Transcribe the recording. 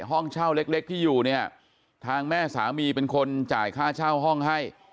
ห้องเช่าเล็กที่อยู่เนี่ยทางแม่สามีเป็นคนจ่ายค่าเช่าห้องให้